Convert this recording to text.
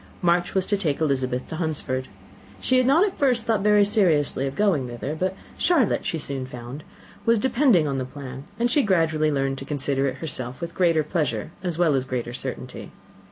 March was to take Elizabeth to Hunsford. She had not at first thought very seriously of going thither; but Charlotte, she soon found, was depending on the plan, and she gradually learned to consider it herself with greater pleasure as well as greater certainty.